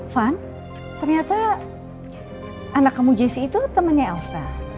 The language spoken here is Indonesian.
van ternyata anak kamu jesse itu temennya elsa